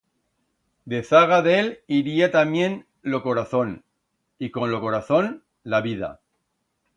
Dezaga d'él iría tamién lo corazón y, con lo corazón, la vida.